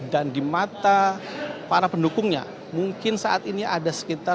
dan di mata para pendukungnya mungkin saat ini ada sekitar dua ratus